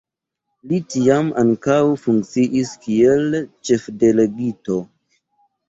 Li tiam ankaŭ funkciis kiel ĉefdelegito.